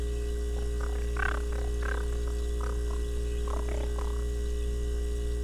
Με στενοχώρεσαν όλες αυτές οι σκέψεις, και είπα να φύγω